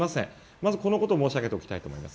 まずこのことを申し上げておきたいと思います。